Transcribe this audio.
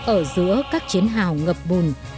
ở giữa các chiến hào ngập bùn